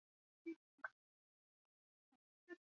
躲在河里的妇女被命令出来沿着河岸坐下。